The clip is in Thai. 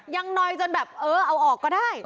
ยังนอยจนแบบเอาออกก็ได้